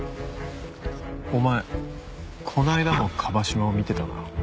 お前この間も椛島を見てたな。